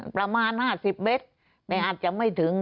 ประมาณ๕๐เมตรแต่อาจจะไม่ถึง